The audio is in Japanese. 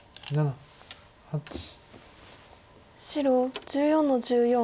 白１４の十四。